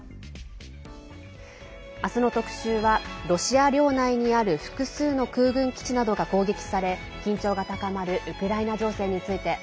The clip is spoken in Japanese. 明日の特集は、ロシア領内にある複数の空軍基地などが攻撃され緊張が高まるウクライナ情勢について。